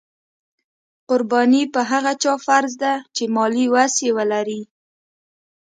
قرباني په هغه چا فرض ده چې مالي وس یې ولري.